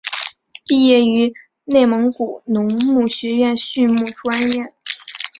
毕业于内蒙古农牧学院畜牧专业。